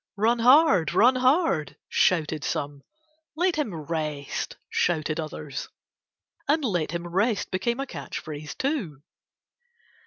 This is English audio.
"Run hard! Run hard!" shouted some. "Let him rest," shouted others. And "let him rest" became a catch phrase too.